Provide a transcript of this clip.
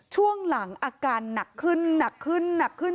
ช่วงหลังอาการหนักขึ้นหนักขึ้นหนักขึ้น